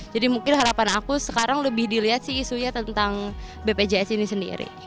mungkin harapan aku sekarang lebih dilihat sih isunya tentang bpjs ini sendiri